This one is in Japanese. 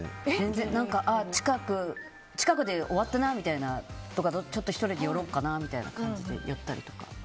近くで終わったなみたいなとかだと１人で寄ろうかなみたいな感じで寄ったりとか。